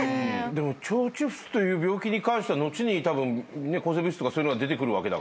でも腸チフスという病気に関しては後に抗生物質とかそういうのが出てくるわけだから。